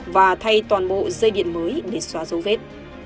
và thay toàn bộ dây điện mới để xóa dấu vết